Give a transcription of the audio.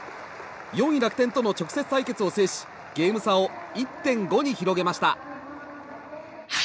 ４位、楽天との直接対決を制しゲーム差を１．５に広げました。